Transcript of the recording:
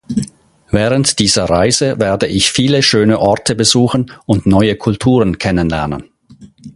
Während dieser Reise werde ich viele schöne Orte besuchen und neue Kulturen kennenlernen.